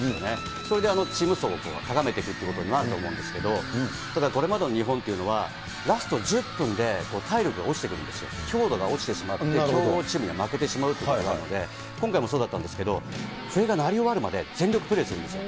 それでチーム層を高めていくということになると思うんですけれども、ただこれまでの日本というのは、ラスト１０分で体力が落ちてくるんですよ、強度が落ちてしまって、強豪チームには負けてしまうということがあるので、今回もそうだったんですけれども、笛が鳴り終わるまで全力プレーするんですよ。